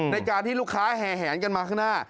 ในการที่ลูกค้าแห่แหนกันมาข้างหน้า